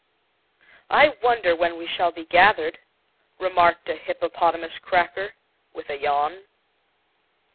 "I wonder when we shall be gathered," remarked a hippopotamus cracker, with a yawn.